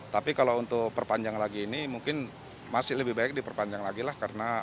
tapi kalau untuk perpanjang lagi ini mungkin masih lebih baik diperpanjang lagi lah